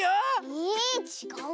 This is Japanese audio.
えちがう？